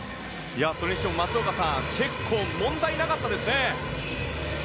それにしても松岡さんチェッコンは問題なかったですね。